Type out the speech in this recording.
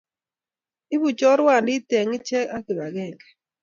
Ibu chorwandit eng' ichek ak kibagenge